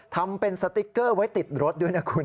ทำเป็นสติ๊กเกอร์ไว้ติดรถด้วยนะคุณ